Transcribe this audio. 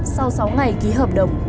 sau sáu ngày ký hợp đồng